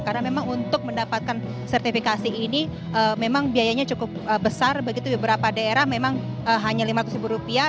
karena memang untuk mendapatkan sertifikasi ini memang biayanya cukup besar begitu beberapa daerah memang hanya lima ratus ribu rupiah